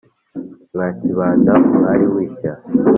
mwa kibanda umwari w'ishya